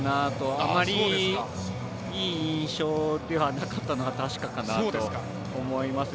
あまりいい印象ではなかったのは確かかなと思いますね。